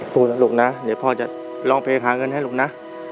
พูดนะลูกนะเดี๋ยวพ่อจะร้องเพลงหาเงินให้ลูกนะ